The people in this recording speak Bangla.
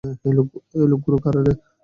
এই লোকগুলো কারা রে?